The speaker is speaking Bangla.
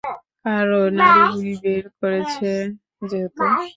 কারো নাড়িভুড়ি বের করেছে যেহেতু।